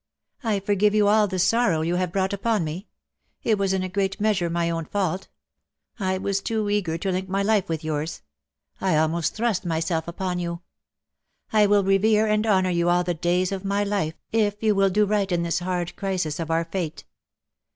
" I forgive you all the sorrow you have brought upon me : it was in a great measure my own fault. I was too eager to link my life with yours. I almost thrust myself upon jou. I will revere and honour you all the days of my life, if you will do right in this hard crisis of our fate.